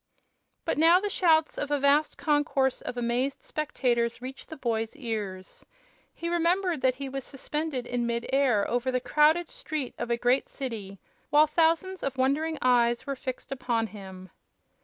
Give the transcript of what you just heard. But now the shouts of a vast concourse of amazed spectators reached the boy's ears. He remembered that he was suspended in mid air over the crowded street of a great city, while thousands of wondering eyes were fixed upon him.